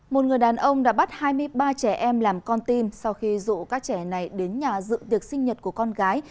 một người đàn ông đã bắt hai mươi ba trẻ em làm con tin sau khi dụ các trẻ này đến nhà dự tiệc sinh nhật của con gái